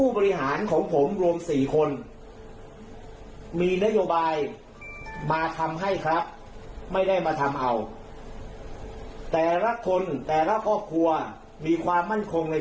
ไม่มีความเดือดร้อนใด